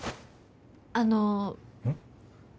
あのうん？